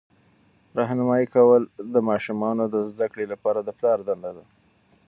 راهنمایي کول د ماشومانو د زده کړې لپاره د پلار دنده ده.